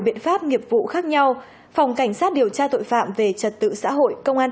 biện pháp nghiệp vụ khác nhau phòng cảnh sát điều tra tội phạm về trật tự xã hội công an